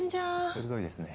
鋭いですね。